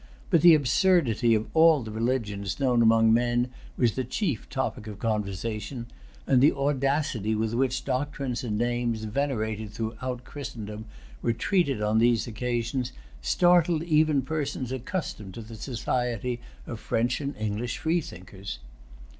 But the absurdity of all the religions known among men was the chief topic of conversation; and the audacity with which doctrines and names venerated throughout Christendom were treated on these occasions startled even persons accustomed to the society of French and English freethinkers.